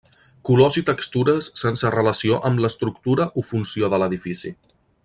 Colors i textures sense relació amb l'estructura o funció de l'edifici.